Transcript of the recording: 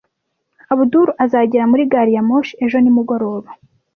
Abudul azagera muri gari ya moshi ejo nimugoroba.